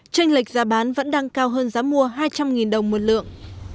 tranh lệch giá bán vẫn đang cao hơn giá mua hai trăm linh đồng một lượng